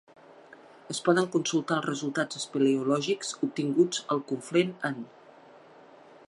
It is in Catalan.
Es poden consultar els resultats espeleològics obtinguts al Conflent en: